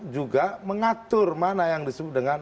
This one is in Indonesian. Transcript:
juga mengatur mana yang disebut dengan